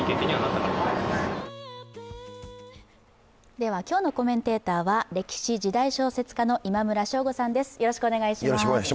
では今日のコメンテーターは歴史・時代小説家の今村翔吾さんです。